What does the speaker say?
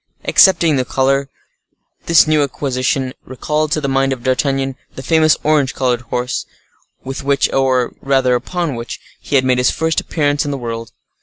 Excepting the color, this new acquisition recalled to the mind of D'Artagnan the famous orange colored horse, with which, or rather upon which, he had made his first appearance in the world.